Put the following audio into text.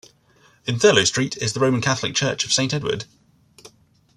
In Thurloe Street is the Roman Catholic Church of Saint Edward.